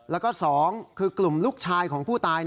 แล้วก็๒คือกลุ่มลูกชายของผู้ตาย